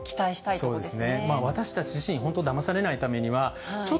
そうですね。